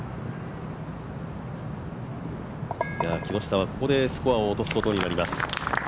木下はここでスコアを落とすことになります。